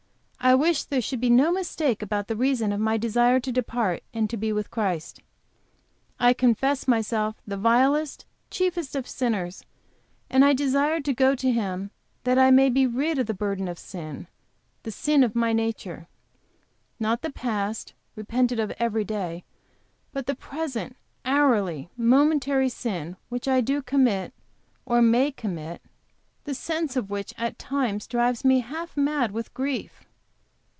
I wish there should be no mistake about the reason of my desire to depart and to be with Christ. I confess myself the vilest, chiefest of sinners, and I desire to go to Him that I may be rid of the burden of sin the sin of my nature not the past, repented of every day, but the present, hourly, momentary sin, which I do commit, or may commit the sense of which at times drives me half mad with grief!"